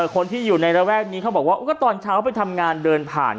คนที่อยู่ในระแวกนี้เขาบอกว่าก็ตอนเช้าไปทำงานเดินผ่าน